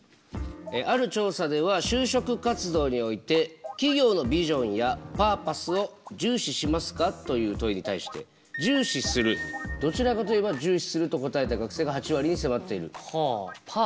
ある調査では「就職活動において企業のビジョンやパーパスを重視しますか？」という問いに対して「重視する」「どちらかと言えば重視する」と答えた学生が８割に迫っている。